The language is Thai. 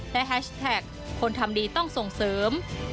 และแฮชแท็กคนทำดีต้องส่งเสริม